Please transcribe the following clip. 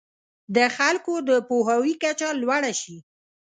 د خلکو د پوهاوي کچه لوړه شي.